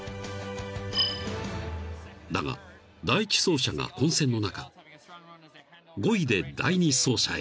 ［だが第１走者が混戦の中５位で第２走者へ］